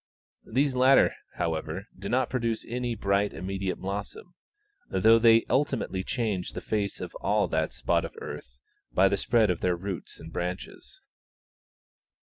These latter, however, do not produce any bright immediate blossom, though they ultimately change the face of all that spot of earth by the spread of their roots and branches.